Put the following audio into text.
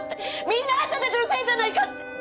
みんなあんたたちのせいじゃないかって！